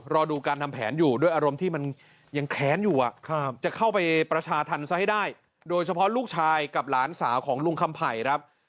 รอดูการทำแผนอยู่ด้วยอารมณ์ที่มันยังแค้นอยู่จะเข้าไปประชาธรรมซะให้ได้โดยเฉพาะลูกชายกับหลานสาวของลุงคำไผ่ครับ